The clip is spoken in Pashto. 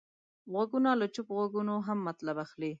غوږونه له چوپ غږونو هم مطلب اخلي